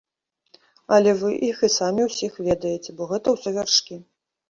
Але вы іх і самі ўсіх ведаеце, бо гэта ўсё вяршкі.